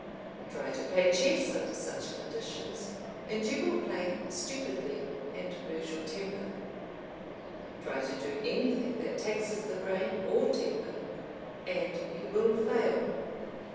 Try to play chess under such conditions and you will play stupidly and lose your temper. Try to do anything that taxes the brain or temper and you will fail.